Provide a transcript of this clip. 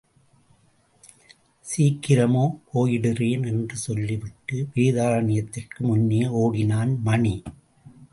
சீக்கிரமா போயிடுறேன், என்று சொல்லிவிட்டு வேதாரண்யத்திற்கு முன்னே ஓடினான் மணி.